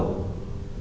với tất cả các điểm